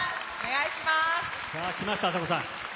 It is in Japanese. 来ました、あさこさん。